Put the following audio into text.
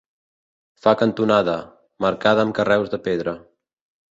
Fa cantonada, marcada amb carreus de pedra.